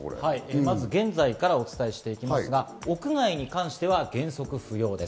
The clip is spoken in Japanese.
まず現在からお伝えしますが、屋外に関しては原則不要です。